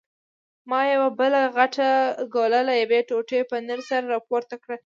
ما یوه بله غټه ګوله له یوې ټوټې پنیر سره راپورته کړل.